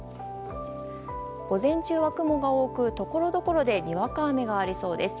午前中は雲が多くところどころでにわか雨がありそうです。